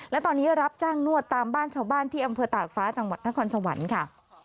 และตอนนี้รับจ้างนวดตามบ้านชาวบ้านที่อำเภอตากฟ้าจังหวัดนครสวรรค์ค่ะ